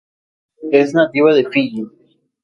Es nativa de Fiyi.